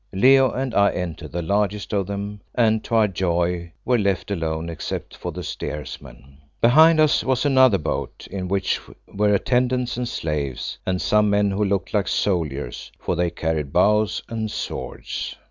Leo and I entered the largest of them, and to our joy were left alone except for the steersman. Behind us was another boat, in which were attendants and slaves, and some men who looked like soldiers, for they carried bows and swords.